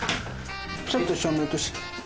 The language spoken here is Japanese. ちょっと照明落として。